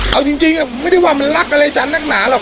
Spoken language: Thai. เอาจริงไม่ได้ว่ามันรักอะไรจันทร์นักหนาหรอก